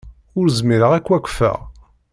Ur zmireɣ ad k-wafqeɣ.